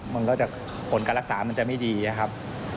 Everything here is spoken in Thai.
มันก็จะผลการรักษามันจะไม่ดีนะครับ